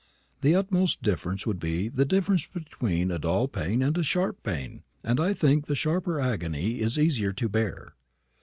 The utmost difference would be the difference between a dull pain and a sharp pain; and I think the sharper agony is easier to bear."